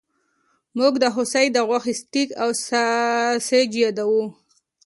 موږ د هوسۍ د غوښې سټیک او ساسج یادوو